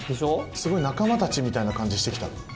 すごい仲間たちみたいな感じしてきた。